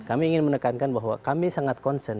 kami ingin menekankan bahwa kami sangat concern